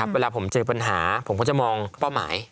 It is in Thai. เวลาผมเจอปัญหาผมก็จะมองเป้าหมาย